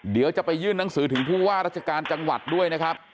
เดี๋ยวจะไปยื่นหนังสือถึงผู้ว่าราชการจังหวัดด้วยนะครับ